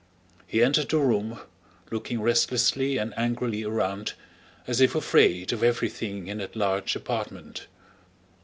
He entered the room, looking restlessly and angrily around, as if afraid of everything in that large apartment.